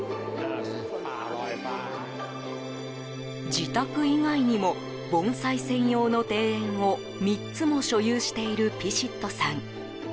自宅以外にも盆栽専用の庭園を３つも所有しているピシットさん。